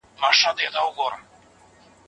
که اړتیا محسوسه سوه نو څېړنه پیل کړئ.